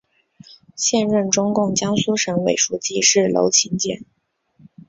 现任中共江苏省委书记是娄勤俭。